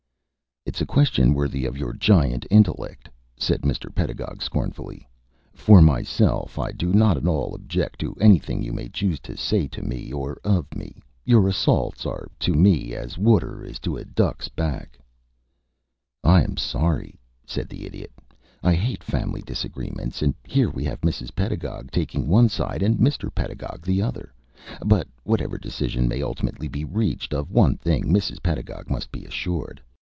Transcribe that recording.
"It's a question worthy of your giant intellect," said Mr. Pedagog, scornfully. "For myself, I do not at all object to anything you may choose to say to me or of me. Your assaults are to me as water is to a duck's back." "I am sorry," said the Idiot. "I hate family disagreements, and here we have Mrs. Pedagog taking one side and Mr. Pedagog the other. But whatever decision may ultimately be reached, of one thing Mrs. Pedagog must be assured.